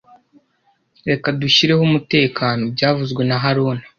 Reka dushyireho umutekano byavuzwe na haruna